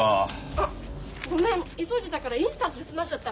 あごめん急いでたからインスタントで済ませちゃった。